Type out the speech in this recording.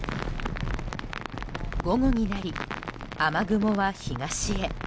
午後になり雨雲は東へ。